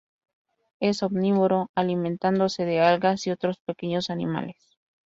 Es omnívoro, alimentándose de algas y otros pequeños animales.